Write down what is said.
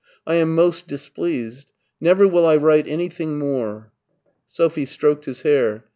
I am most displeased. Never will I write anything more." Sophie stroked his hair.